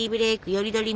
より取り